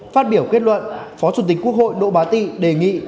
phát biểu kết luận phó chủ tịch quốc hội độ bá tị đề nghị